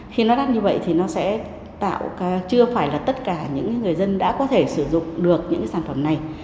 khi nó đắt như vậy thì nó sẽ tạo chưa phải là tất cả những người dân đã có thể sử dụng được những sản phẩm này